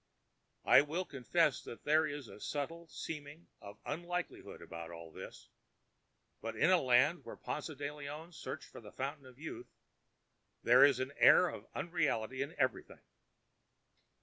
I will confess there is a subtle seeming of unlikelihood about all this; but in the land where Ponce de Leon searched for the Fountain of Youth there is an air of unreality in everything.